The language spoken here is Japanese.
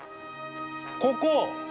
ここ！